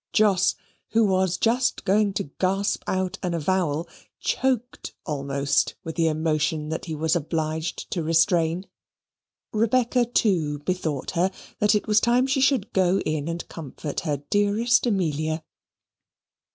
Jos, who was just going to gasp out an avowal, choked almost with the emotion that he was obliged to restrain. Rebecca too bethought her that it was time she should go in and comfort her dearest Amelia.